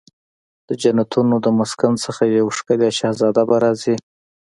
د جنتونو د مسکن څخه یو ښکلې شهزاده به راځي